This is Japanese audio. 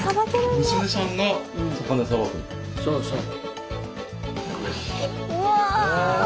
そうそう。